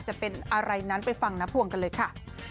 จะเป็นอะไรนั้นไปฟังน้าพวงกันเลยค่ะ